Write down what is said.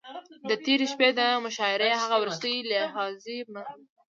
د تېرې شپې د مشاعرې هغه وروستۍ لحظې همداوې.